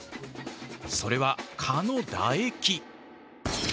それは蚊の唾液。